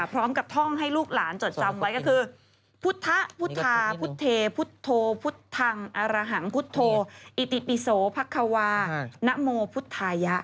พร้อมกับท่องให้ลูกหลานจดจำไว้ก็คือพุทธพุทธาพุทธเทพุทธโธพุทธังอรหังพุทธโธอิติปิโสพักควานโมพุทธายะ